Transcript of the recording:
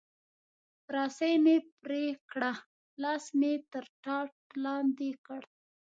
رسۍ مې پرې کړه، لاس مې تر ټاټ لاندې کړ.